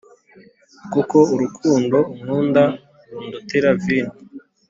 Kuko urukundo unkunda rundutira vino.